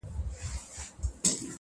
اخلاص د اړیکو قوت ساتي’